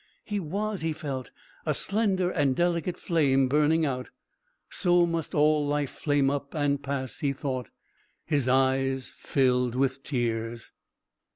He was, he felt, a slender and delicate flame, burning out. So must all life flame up and pass, he thought. His eyes filled with tears.